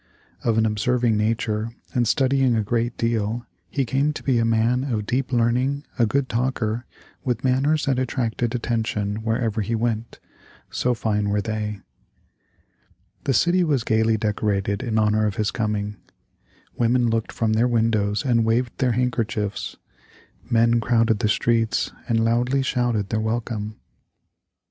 Of an observing nature, and studying a great deal, he came to be a man of deep learning, a good talker, with manners that attracted attention wherever he went so fine were they. The city was gayly decorated in honor of his coming. Women looked from their windows and waved their handkerchiefs. Men crowded the streets and loudly shouted their welcome.